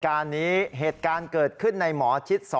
การนี้เหตุการณ์เกิดขึ้นในหมอชิด๒